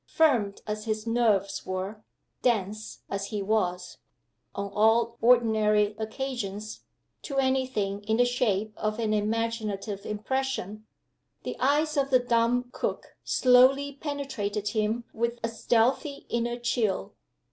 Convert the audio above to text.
Firm as his nerves were dense as he was, on all ordinary occasions, to any thing in the shape of an imaginative impression the eyes of the dumb cook slowly penetrated him with a stealthy inner chill.